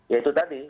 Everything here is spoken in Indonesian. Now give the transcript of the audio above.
ya itu tadi